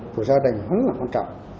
của gia đình rất là quan trọng